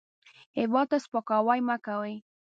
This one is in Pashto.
هېواد ته سپکاوی مه کوئ